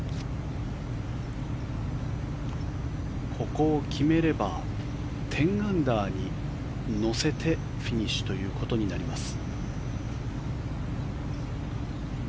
ここを決めれば１０アンダーに乗せてフィニッシュということになります。